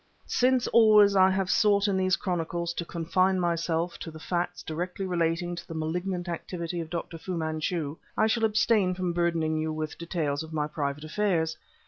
Since, always, I have sought in these chronicles to confine myself to the facts directly relating to the malignant activity of Dr. Fu Manchu, I shall abstain from burdening you with details of my private affairs.